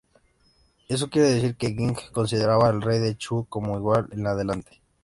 Esto quiere decir que, Jing consideraba al rey de Chu como igual, en adelante.